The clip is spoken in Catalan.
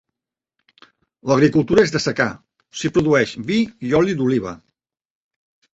L'agricultura és de secà: s'hi produeix vi i oli d'oliva.